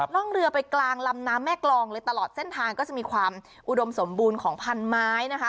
ร่องเรือไปกลางลำน้ำแม่กรองเลยตลอดเส้นทางก็จะมีความอุดมสมบูรณ์ของพันไม้นะคะ